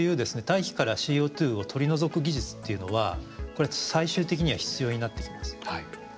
大気からＣＯを取り除く技術っていうのはこれ最終的には必要になってきます。